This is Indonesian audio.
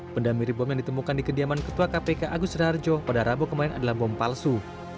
benda mirip bom yang ditemukan di kediaman ketua kpk agus raharjo pada rabu kemarin adalah bom palsu